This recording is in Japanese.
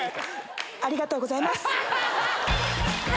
ありがとうございます。